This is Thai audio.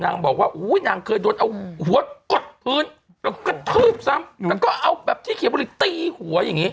นังบอกว่าหนังเคยโดนเอาหัวก็กดพื้นแล้วก็กระทึบซ้ำแล้วก็เอาแบบที่เขียบบริษัทตีหัวอย่างงี้